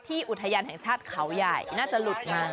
อุทยานแห่งชาติเขาใหญ่น่าจะหลุดมา